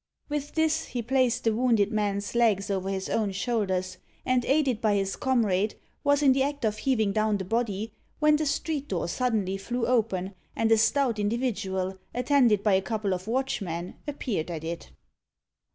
With this, he placed the wounded man's legs over his own shoulders, and, aided by his comrade, was in the act of heaving down the body, when the street door suddenly flew open, and a stout individual, attended by a couple of watchmen, appeared at it.